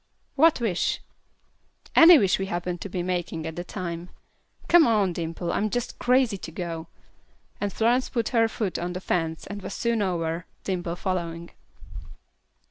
"What wish?" "Any wish we happen to be making at the time. Come on, Dimple, I am just crazy to go." And Florence put her foot on the fence and was soon over, Dimple following.